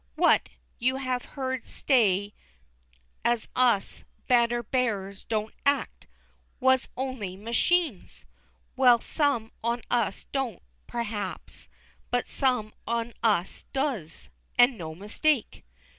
What! you have heard say as us banner bearers don't act was only machines? Well, some on us don't, p'r'aps, but some on us does, and no mistake.